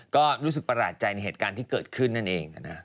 ก็รู้สึกประหลาดใจในเหตุการณ์ที่เกิดขึ้นนั่นเอง